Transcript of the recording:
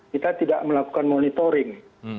kita tidak melakukan monitoring